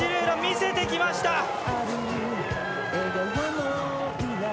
楽、見せてきました。